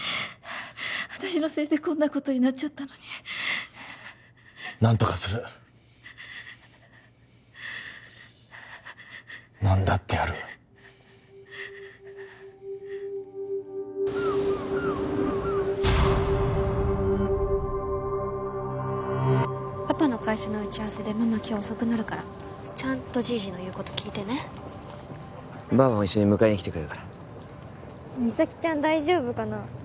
私のせいでこんなことになっちゃったのに何とかする何だってやるパパの会社の打ち合わせでママ今日遅くなるからちゃんとじいじの言うこと聞いてねばあばも一緒に迎えに来てくれるから実咲ちゃん大丈夫かな？